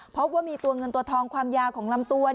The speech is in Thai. พบว่ามีตัวเงินตัวทองความยาวของลำตัว